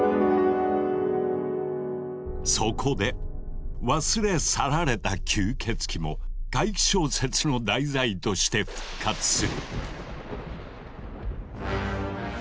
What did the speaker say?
そこで忘れ去られた吸血鬼も怪奇小説の題材として復活する。